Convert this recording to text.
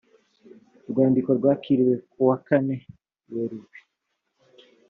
rwandiko rwakiriwe kuwa kane werurwe